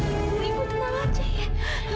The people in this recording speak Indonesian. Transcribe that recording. ibu ibu tenang aja ya